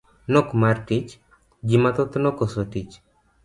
Nok mar tich, ji mathoth nokoso tich.